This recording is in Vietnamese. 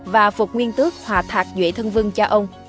và phục nguyên tước hòa thạc duệ thân vương cho ông